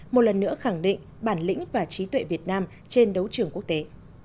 một lần nữa khẳng định bản lĩnh và trí tuệ việt nam trên đấu trường quốc tế